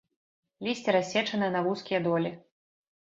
Лісце рассечанае на вузкія долі.